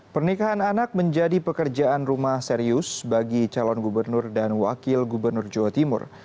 pernikahan anak menjadi pekerjaan rumah serius bagi calon gubernur dan wakil gubernur jawa timur